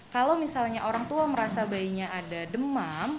kalau misalnya orang tua merasa bayinya ada demam